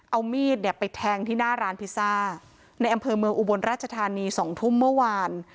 เอามีดเนี่ยไปแทงที่หน้าร้านพิซซ่าในอำเภอเมืองอุบลราชธานี๒ทุ่มเมื่อวาน